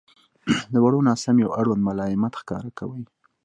• د وړو ناسمیو اړوند ملایمت ښکاره کوئ.